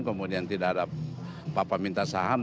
kemudian tidak ada papa minta saham